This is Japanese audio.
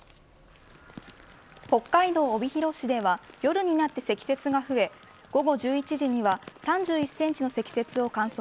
北海道帯広市では夜になって積雪が増え午後１１時には３１センチの積雪を観測。